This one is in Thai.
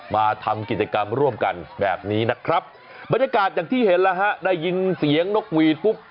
มาทำกิจกรรมร่วมกันแบบนี้นะครับบรรยากาศอย่างที่เห็นแล้วฮะได้ยินเสียงนกหวีดปุ๊บ